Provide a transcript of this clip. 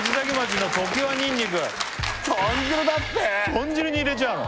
豚汁に入れちゃうの！？